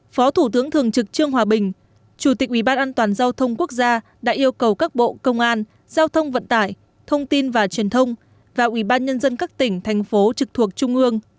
phó thủ tướng thường trực trương hòa bình chủ tịch ubnd giao thông quốc gia đã yêu cầu các bộ công an giao thông vận tải thông tin và truyền thông và ubnd các tỉnh thành phố trực thuộc trung ương